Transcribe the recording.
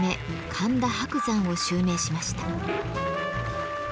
神田伯山を襲名しました。